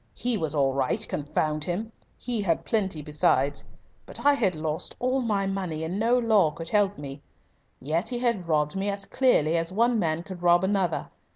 He was all right confound him! He had plenty besides. But I had lost all my money and no law could help me. Yet he had robbed me as clearly as one man could rob another.